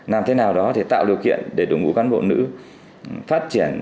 làm thế nào đó để tạo điều kiện để đồng ngũ cán bộ nữ phát triển